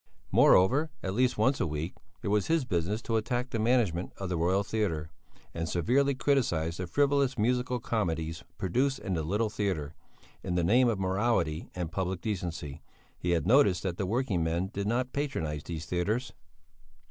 Moreover, at least once a week, it was his business to attack the management of the Royal Theatre, and severely criticize the frivolous musical comedies produced in the Little Theatre, in the name of morality and public decency he had noticed that the working men did not patronize these theatres.